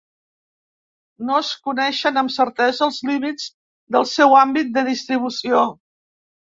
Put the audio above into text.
No es coneixen amb certesa els límits del seu àmbit de distribució.